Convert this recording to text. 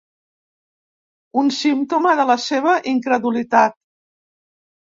Un símptoma de la seva incredulitat.